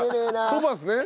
そばですね。